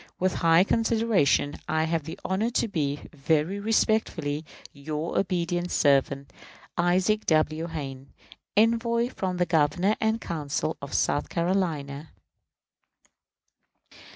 With high consideration, I have the honor to be, very respectfully, your obedient servant, ISAAC W. HAYNE, _Envoy from the Governor and Council of South Carolina.